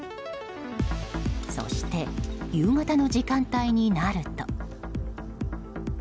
そして、夕方の時間帯になると。